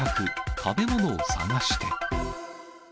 食べ物を探して。